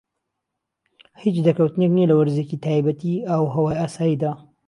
هیچ دەرکەوتنێک نیە لە وەرزێکی تایبەتی ئاوهەوای ئاساییدا.